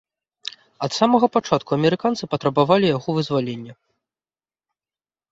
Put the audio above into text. Ад самага пачатку амерыканцы патрабавалі яго вызвалення.